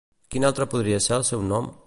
Quin altre podria ser el seu nom?